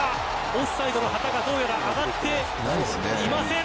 オフサイドの旗がどうやら上がっていません。